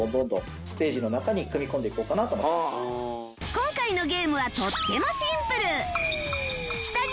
今回のゲームはとってもシンプル